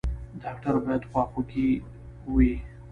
ډاکټر باید خواخوږی وي